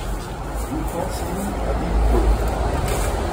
Rue Francine à Villepreux